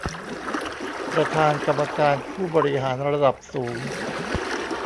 ประธานกรรมการผู้บริหารระดับสูง